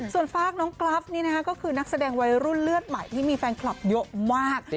ส่วนฝากน้องกราฟนี่นะคะก็คือนักแสดงวัยรุ่นเลือดใหม่ที่มีแฟนคลับเยอะมาก